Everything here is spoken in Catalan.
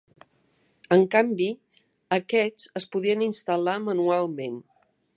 En canvi, aquests es podien instal·lar manualment.